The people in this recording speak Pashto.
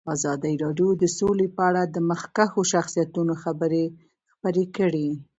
ازادي راډیو د سوله په اړه د مخکښو شخصیتونو خبرې خپرې کړي.